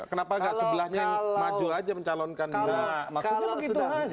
kenapa nggak sebelahnya yang maju aja mencalonkan